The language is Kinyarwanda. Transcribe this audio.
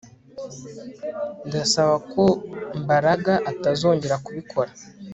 Ndasaba ko Mbaraga atazongera kubikora